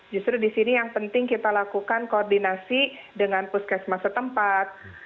justru di sini yang penting kita lakukan koordinasi dengan puskesmas setempat